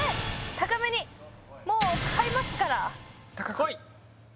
高めにもう買いますからこい！